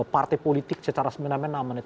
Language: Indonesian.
partai politik secara semena mena